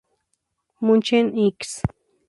München ix.